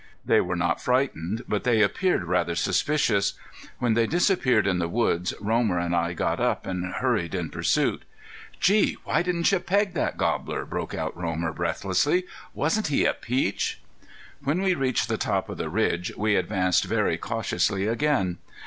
They were not frightened, but they appeared rather suspicious. When they disappeared in the woods Romer and I got up, and hurried in pursuit. "Gee! why didn't you peg that gobbler?" broke out Romer, breathlessly. "Wasn't he a peach?" When we reached the top of the ridge we advanced very cautiously again.